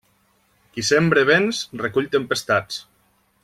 Qui sembra vents, recull tempestats.